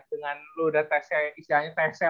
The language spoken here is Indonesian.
dengan lu udah tese